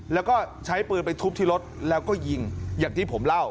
แล้วก็ใช้ปืนไปทุบที่รถแล้วก็ยิงอย่างที่ผมเล่า